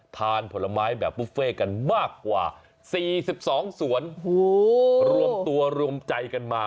ผลไม้แบบบุฟเฟ่กันมากกว่า๔๒สวนรวมตัวรวมใจกันมา